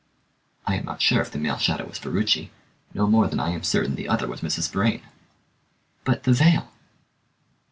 "I am not sure if the male shadow was Ferruci, no more than I am certain the other was Mrs. Vrain." "But the veil?"